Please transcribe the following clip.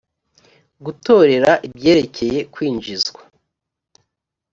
gutorera ibyerekeye kwinjizwa